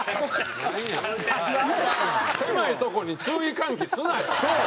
狭いとこに注意喚起すなよ！